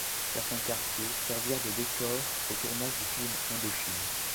Certains quartiers servirent de décor au tournage du film Indochine.